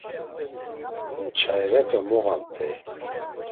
Nçayirepe moğamt̆ey.